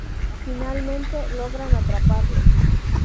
Finalmente, logran atraparlo.